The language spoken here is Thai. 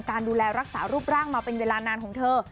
การดูแลรักษารูปร่างมาเป็นเวลานานของเธอ